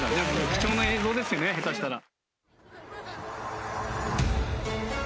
貴重な映像ですよね下手したら。